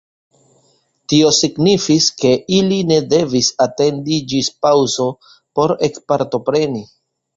Tio signifis, ke ili ne devis atendi ĝis paŭzo por ekpartopreni.